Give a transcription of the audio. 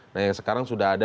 nah yang sekarang sudah ada